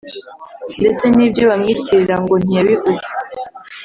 ndetse n’ibyo bamwitirira ngo ntiyabivuze